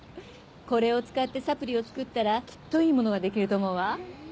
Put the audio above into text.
これを使ってサプリを作ったらきっといいものが出来ると思うわ。